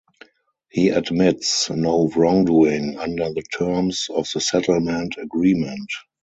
He admits no wrongdoing under the terms of the settlement agreement.